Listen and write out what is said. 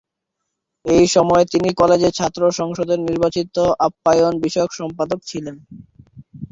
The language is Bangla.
এই সময়ে তিনি কলেজের ছাত্র সংসদের নির্বাচিত আপ্যায়ন বিষয়ক সম্পাদক ছিলেন।